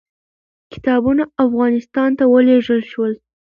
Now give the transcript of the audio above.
کتابونه افغانستان ته ولېږل شول.